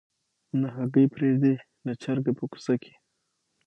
نه هګۍ پرېږدي نه چرګه په کوڅه کي